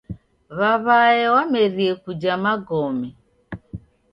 W'aw'ae wamerie kuja magome.